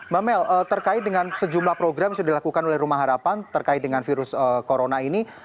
mbak mel terkait dengan sejumlah program yang sudah dilakukan oleh rumah harapan terkait dengan virus corona ini